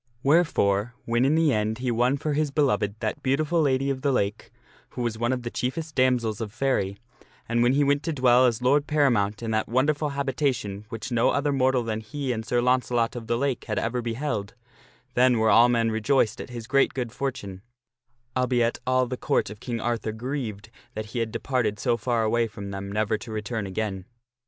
Wherefore, when in the end he won for his beloved that beautiful Lady of the Lake, who was one of the chief est damoiselles of Faery, and when he went to dwell as lord paramount in that wonderful habitation which no other mortal than he and Sir Launcelot of the Lake had ever beheld, then were all men re joiced at his great good fortune albeit all the Court of King Arthur grieved that he had departed so far away from them never to return again.